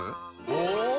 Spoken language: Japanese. お！